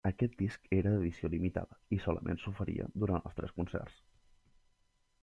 Aquest disc era d'edició limitada i solament s'oferia durant els tres concerts.